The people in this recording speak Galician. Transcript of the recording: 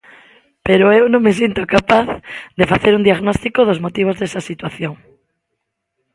Pero eu non me sinto capaz de facer un diagnóstico dos motivos desa situación.